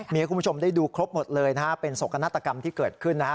มีให้คุณผู้ชมได้ดูครบหมดเลยนะฮะเป็นโศกนาฏกรรมที่เกิดขึ้นนะฮะ